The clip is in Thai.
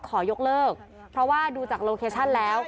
ขอยกเลิกเพราะว่าดูจากโลเคชั่นแล้ว